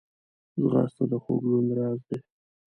ځغاسته د خوږ ژوند راز دی